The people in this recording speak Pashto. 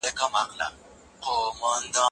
هغه تیره میاشت د موضوع لارښوونه وکړه.